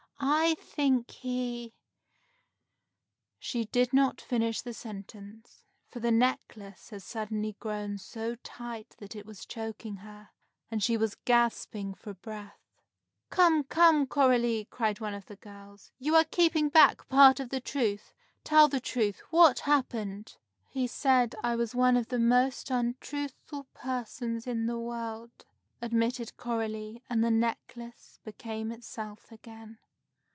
I think he " She did not finish the sentence, for the necklace had suddenly grown so tight that it was choking her, and she was gasping for breath. "Come, come, Coralie!" cried one of the girls. "You are keeping back part of the truth! Tell the truth! What happened?" "He said I was one of the most untruthful persons in the world," admitted Coralie; and the necklace became itself again.